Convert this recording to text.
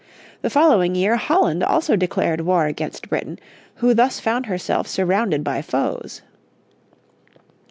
The following year Holland also declared war against Britain, who thus found herself surrounded by foes.